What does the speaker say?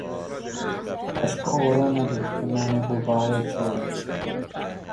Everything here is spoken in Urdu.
اشک اوروں نے لکھے مَیں نے غبارے چھوڑے